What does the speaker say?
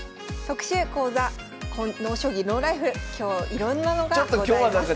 特集講座「ＮＯ将棋ＮＯＬＩＦＥ」今日いろんなのがございます。